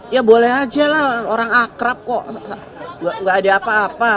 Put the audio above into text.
ya boleh aja lah orang akrab kok gak ada apa apa